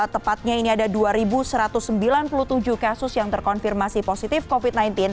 tepatnya ini ada dua satu ratus sembilan puluh tujuh kasus yang terkonfirmasi positif covid sembilan belas